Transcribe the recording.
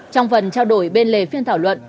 trong phần trao đổi bên lề phiên thảo luận